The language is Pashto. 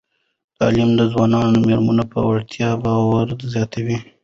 تعلیم د ځوانو میرمنو په وړتیاوو باور زیاتوي.